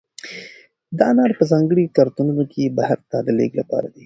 دا انار په ځانګړو کارتنونو کې بهر ته د لېږد لپاره دي.